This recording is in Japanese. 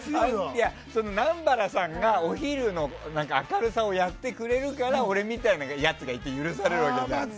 いや、南原さんがお昼の明るさをやってくれるから俺みたいなやつがいて許されるわけじゃない。